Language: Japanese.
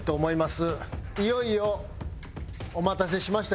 いよいよお待たせしました。